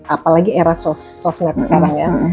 apalagi era sosmed sekarang ya